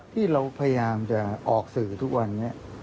ที่เราพยายามจะออกสื่อทุกวันนี้